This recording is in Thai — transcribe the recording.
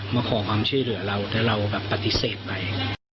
มาขอความช่วยเหลือเราแต่เราแบบปฏิเสธไป